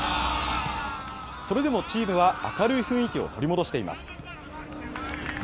それでもチームは明るい雰囲気を取り戻しています。